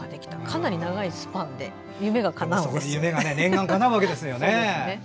かなり長いスパンで夢がかなうんですね。